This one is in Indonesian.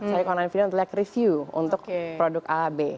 saya ke online video untuk lihat review untuk produk a b